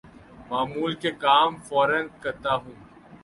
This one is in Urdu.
معمول کے کام فورا کرتا ہوں